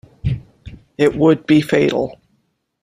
It would be fatal.